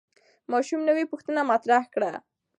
ماشوم نوې پوښتنه مطرح کړه